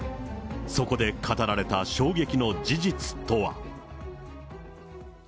そこで語られた衝撃の事実とは。